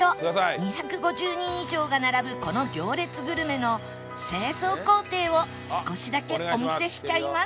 ２５０人以上が並ぶこの行列グルメの製造工程を少しだけお見せしちゃいます